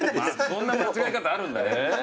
そんな間違い方あるんだ。